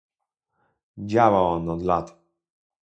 Działa on od lat